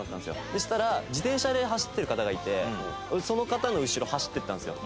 そしたら自転車で走ってる方がいてその方の後ろを走っていったんですよ。